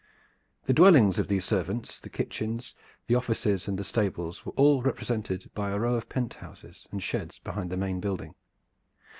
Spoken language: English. The dwellings of these servants, the kitchens, the offices and the stables were all represented by a row of penthouses and sheds behind the main building.